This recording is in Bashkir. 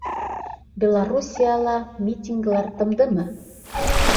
«Белоруссияла митингылар тымдымы?»